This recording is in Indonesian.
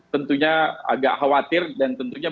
tentunya agak khawatir dan tentunya